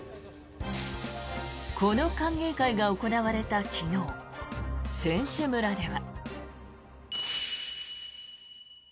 この歓迎会が行われた昨日選手村では。